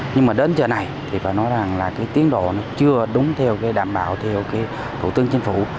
nhưng mà đến giờ này thì phải nói rằng là cái tiến độ nó chưa đúng theo cái đảm bảo theo cái thủ tướng chính phủ